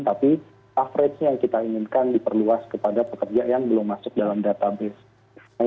tapi coverage nya kita inginkan diperluas kepada pekerja yang belum masuk dalam database